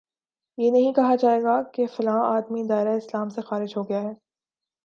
یہ نہیں کہا جائے گا کہ فلاں آدمی دائرۂ اسلام سے خارج ہو گیا ہے